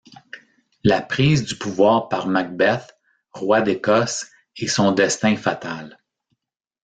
La prise du pouvoir par Macbeth, roi d'Écosse, et son destin fatal...